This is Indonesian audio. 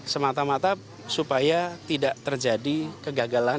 semata mata supaya tidak terjadi kegagalan